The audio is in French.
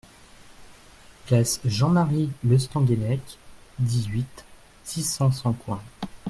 Place Jean-Marie Le Stanguennec, dix-huit, six cents Sancoins